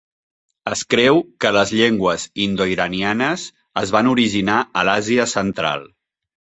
Es creu que les llengües indo-iranianes es van originar a l'Àsia central.